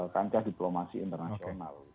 kancah diplomasi internasional